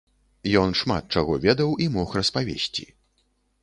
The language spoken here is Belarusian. Ён шмат чаго ведаў і мог распавесці.